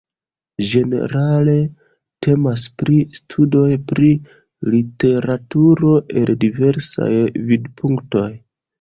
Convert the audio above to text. Ĝenerale temas pri studoj pri literaturo el diversaj vidpunktoj.